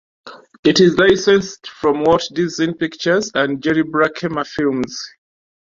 It is licensed from Walt Disney Pictures and Jerry Bruckheimer Films.